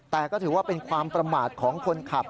แต่ก็ถือว่าเป็นความประมาทของคนขับ